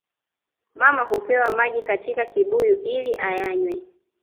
Mama hupewa maji katika kibuyu ili ayanywe